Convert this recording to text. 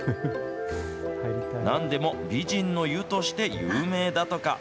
なんでも、美人の湯として有名だとか。